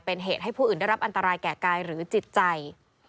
เป็นเหตุให้ผู้อื่นได้รับอันตรายแก่กายหรือจิตใจ